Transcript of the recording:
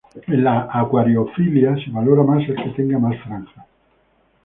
En la acuariofilia se valora más el que tenga más franjas.